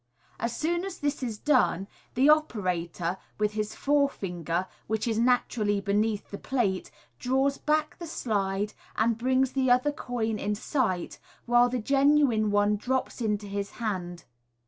As soon as this is done, the operator, with his fore finger, which is naturally beneath the plate, draws back the slide, and brings the other coin in sight, while the genuine one drops into his hand.